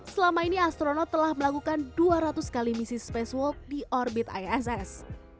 selama ini astronot telah melakukan dua ratus kali misi spacewalk di orbit iss